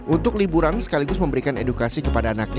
untuk liburan sekaligus memberikan edukasi kepada anaknya